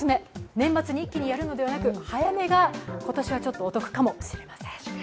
年末に一気にやるのではなく、早めが今年はちょっとお得かもしれません。